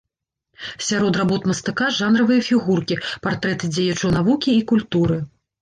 Сярод работ мастака жанравыя фігуркі, партрэты дзеячаў навукі і культуры.